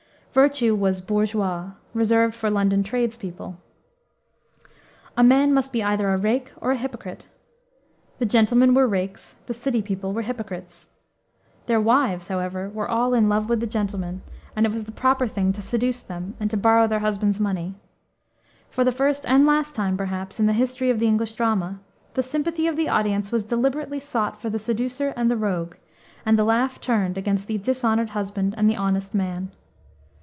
Virtue was bourgeois reserved for London trades people. A man must be either a rake or a hypocrite. The gentlemen were rakes, the city people were hypocrites. Their wives, however, were all in love with the gentlemen, and it was the proper thing to seduce them, and to borrow their husbands' money. For the first and last time, perhaps, in the history of the English drama, the sympathy of the audience was deliberately sought for the seducer and the rogue, and the laugh turned against the dishonored husband and the honest man.